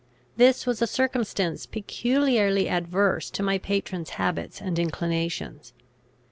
This was a circumstance peculiarly adverse to my patron's habits and inclinations.